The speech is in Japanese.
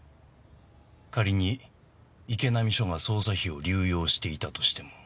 仮に池波署が捜査費を流用していたとしても。